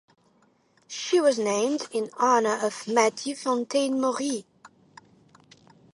She was named in honor of Matthew Fontaine Maury.